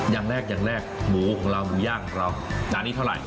อย่างแรกหมูของเรามูย่างเราอันนี้เท่าไหร่